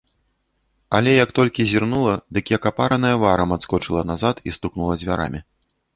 Але, як толькі зірнула, дык, як апараная варам, адскочыла назад і стукнула дзвярамі.